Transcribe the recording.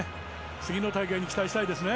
次の大会に期待したいですね。